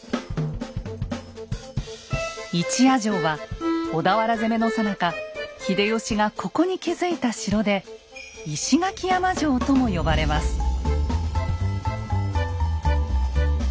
「一夜城」は小田原攻めのさなか秀吉がここに築いた城で「石垣山城」とも呼ばれます。